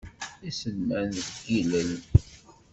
Iselman deg yilel.